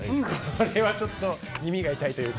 これはちょっと耳が痛いというか。